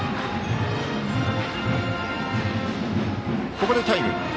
ここでタイム。